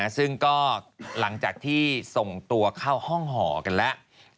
ซึ่งก็หลังจากที่ส่งตัวเข้าห้องห่อกันแล้ว